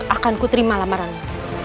akanku terima lamarannya